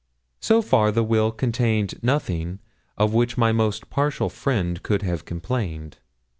So far the will contained nothing of which my most partial friend could have complained.